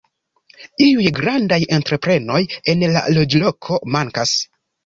Iuj grandaj entreprenoj en la loĝloko mankas.